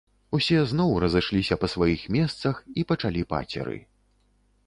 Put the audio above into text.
Усе зноў разышліся па сваіх месцах і пачалі пацеры.